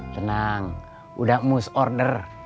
tenang udah must order